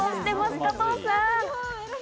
加藤さん。